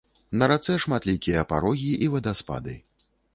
На рацэ шматлікія парогі і вадаспады.